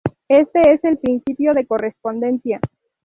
Este es el principio de correspondencia.